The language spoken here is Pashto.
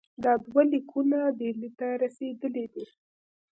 دا دوه لیکونه ډهلي ته رسېدلي دي.